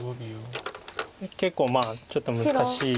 結構ちょっと難しい。